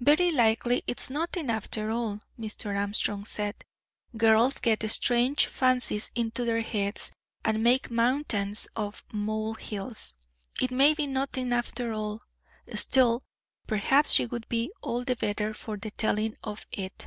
"Very likely it's nothing, after all," Mr. Armstrong said. "Girls get strange fancies into their heads, and make mountains out of molehills. It may be nothing, after all; still, perhaps she would be all the better for the telling of it."